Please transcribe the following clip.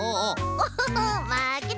オホホまけた！